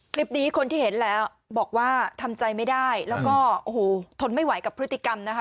คลิปนี้คนที่เห็นแล้วบอกว่าทำใจไม่ได้แล้วก็โอ้โหทนไม่ไหวกับพฤติกรรมนะคะ